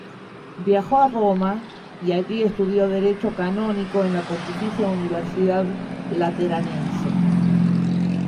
Viajó a Roma, y allí estudió Derecho Canónico en la Pontificia Universidad Lateranense.